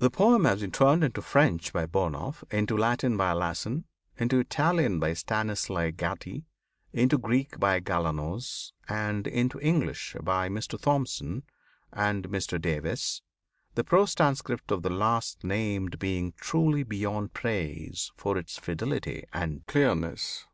The poem has been turned into French by Burnouf, into Latin by Lassen, into Italian by Stanislav Gatti, into Greek by Galanos, and into English by Mr. Thomson and Mr Davies, the prose transcript of the last named being truly beyond praise for its fidelity and clearness.